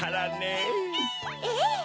ええ。